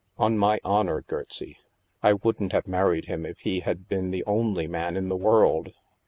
" On my honor, Gertsie, I wouldn't have married him if he had been the only man in the world.